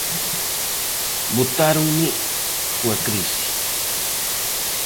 Botáronme coa crise.